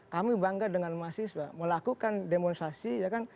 kami bangga dengan mahasiswa melakukan demonstrasi ya kan